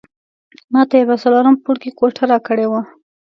ماته یې په څلورم پوړ کې کوټه راکړې وه.